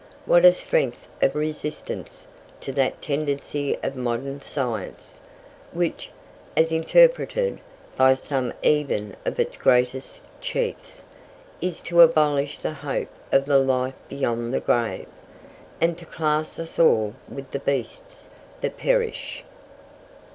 What a strength of resistance to that tendency of modern science, which, as interpreted by some even of its greatest chiefs, is to abolish the hope of the life beyond the grave, and to class us all with "the beasts that perish."